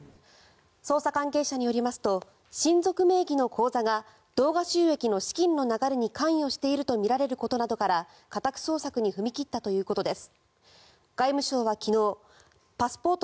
捜査関係者によりますと親族名義の口座が動画収益の資金の流れに関与しているとみられることなどから家宅捜索に踏み切ったということです。